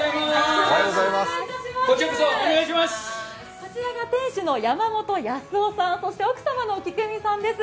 こちらが店主の山本康雄さん、そして奥様の喜久美さんです。